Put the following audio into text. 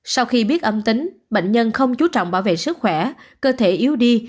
sau khi biết âm tính bệnh nhân không chú trọng bảo vệ sức khỏe cơ thể yếu đi